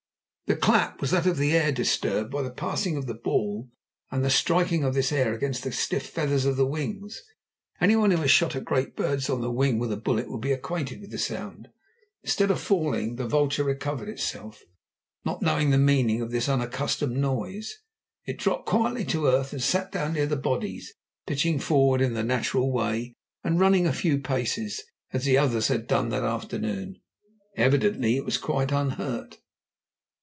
The clap was that of the air disturbed by the passing of the ball and the striking of this air against the stiff feathers of the wings. Anyone who has shot at great birds on the wing with a bullet will be acquainted with the sound. Instead of falling the vulture recovered itself. Not knowing the meaning of this unaccustomed noise, it dropped quietly to earth and sat down near the bodies, pitching forward in the natural way and running a few paces, as the others had done that afternoon. Evidently it was quite unhurt.